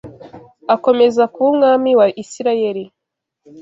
akomeza kuba umwami wa Isirayeli